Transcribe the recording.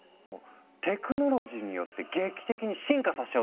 テクノロジーによって劇的に進化させ